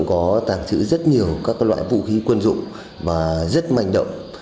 đối tượng có tàng trữ rất nhiều các loại vũ khí quân dụng và rất manh động